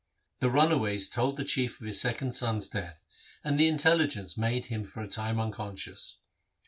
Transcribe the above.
The runaways told the Chief of his second son's death, and the intelligence made him for a time unconscious.